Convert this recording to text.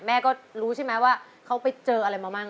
แม่ก็รู้ใช่ไหมว่าเขาไปเจออะไรมาบ้าง